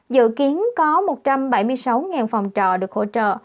dự kiến có một trăm bảy mươi sáu phòng trọ được hỗ trợ